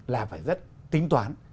là phải rất tính toán